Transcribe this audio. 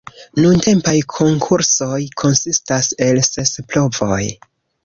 Nuntempaj konkursoj konsistas el ses provoj.